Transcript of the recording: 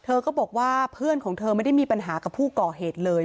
เธอก็บอกว่าเพื่อนของเธอไม่ได้มีปัญหากับผู้ก่อเหตุเลย